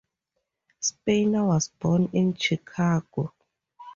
Spanier was born in Chicago.